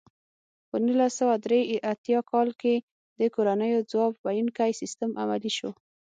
په نولس سوه درې اتیا کال کې د کورنیو ځواب ویونکی سیستم عملي شو.